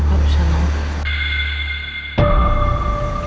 asistennya mas al